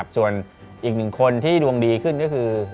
ส่วนอีกหนึ่งคนที่ดวงดีขึ้นก็คือ